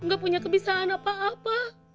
gak punya kebisaan apa apa